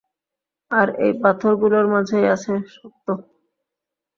আর এই পাথরগুলোর মাঝেই আছে সত্য।